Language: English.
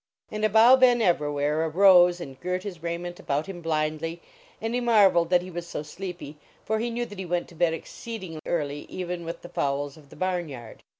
And Abou Ben Evrawhair arose and girt his raiment about him blindly, and he mar veled that he was so sleepy, for he knew that he went to bed exceeding early, even with the fowls of the barn yard.